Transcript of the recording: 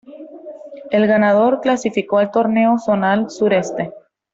El ganador clasificó al Torneo Zonal Sureste.